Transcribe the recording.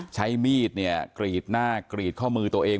ใช้มีดเนี่ยกรีดหน้ากรีดข้อมือตัวเอง